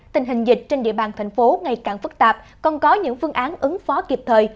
tình hình dịch trên địa bàn thành phố ngày càng phức tạp còn có những phương án ứng phó kịp thời